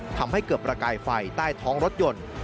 ทำให้เกิดประกายไฟใต้ท้องรถยนต์